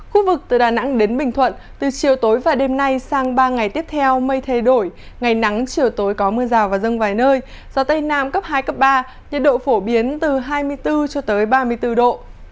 khu vực từ đà nẵng đến bình thuận từ chiều tối và đêm nay sang ba ngày tiếp theo mây thay đổi ngày nắng chiều tối có mưa rào và rông vài nơi gió tây nam cấp hai ba nhiệt độ phổ biến từ hai mươi bốn cho tới ba mươi bốn độ